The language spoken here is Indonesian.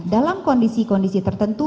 dalam kondisi kondisi tertentu